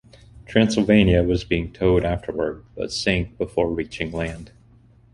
"Transylvania" was being towed afterward but sank before reaching land.